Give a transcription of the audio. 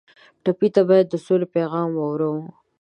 ټپي ته باید د سولې پیغام واورو.